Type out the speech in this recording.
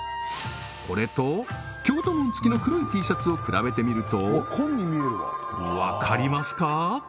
これと京都紋付の黒いＴシャツを比べてみるとわかりますか？